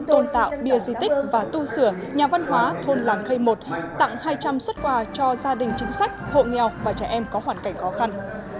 tôn tạo bia di tích và tu sửa nhà văn hóa thôn làng kh một tặng hai trăm linh xuất quà cho gia đình chính sách hộ nghèo và trẻ em có hoàn cảnh khó khăn